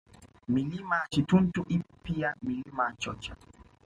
Milima ya Chituntu ipo pia Milima ya Chocha